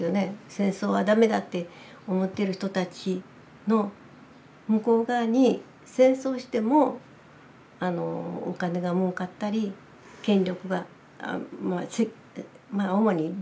戦争は駄目だって思っている人たちの向こう側に戦争をしてもお金がもうかったり権力が主に利権ですよね